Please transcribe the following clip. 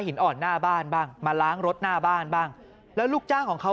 หินอ่อนหน้าบ้านบ้างมาล้างรถหน้าบ้านบ้างแล้วลูกจ้างของเขา